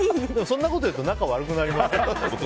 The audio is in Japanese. そんなこと言うと仲悪くなりますけど。